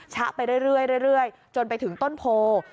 ชะไปเรื่อยจนไปถึงต้นโพ